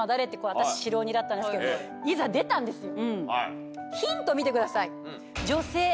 私白鬼だったんですけどいざ出たんですよ。